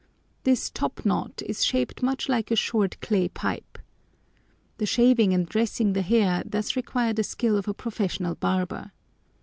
This top knot is shaped much like a short clay pipe. The shaving and dressing the hair thus require the skill of a professional barber.